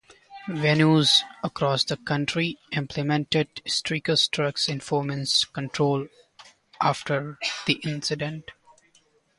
Venues across the country implemented stricter drug enforcement controls after the incident.